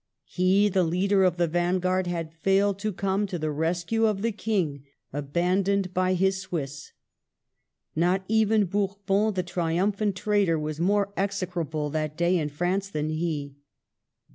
He, the leader of the vanguard, had failed to come to the rescue of the King, abandoned by his Swiss. Not even Bourbon, the triumphant traitor, was more execrable that day in France than he.